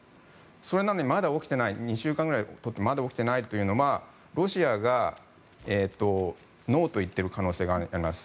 それなのにまだ起きていない２週間ぐらいたってまだ起きていないというのはロシアがノーと言っている可能性があります。